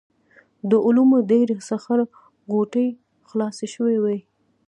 د علومو ډېرې سخر غوټې خلاصې شوې وې.